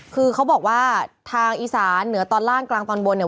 คือเขาบอกว่าทางอีสานเหนือตอนล่างกลางตอนบนเนี่ย